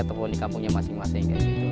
ataupun di kampungnya masing masing